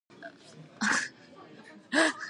He then attended the University of Central Oklahoma.